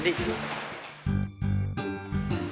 tles tles ini gak kacau